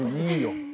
いいよ。